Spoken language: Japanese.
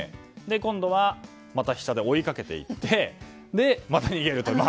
今度は、また飛車で追いかけて行ってまた逃げるという。